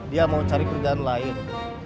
dia mau cari kerjaan lain